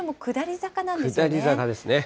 下り坂ですね。